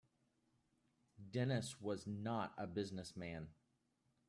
Dennis was not a business man.